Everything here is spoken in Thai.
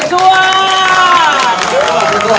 ขอบคุณครับ